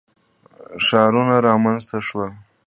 ښارونه رامنځته شول.